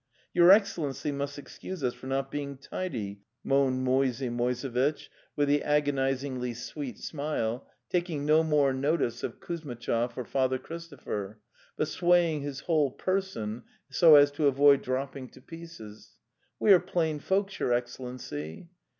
"Your Excellency must excuse us for not being tidy,' moaned Moisey Moisevitch with the agoniz 206 The Tales of Chekhov ingly sweet smile, taking no more notice of Kuz mitchov or Father Christopher, but swaying his whole person so as to avoid dropping to pieces. 'We are plain folks, your Excellency."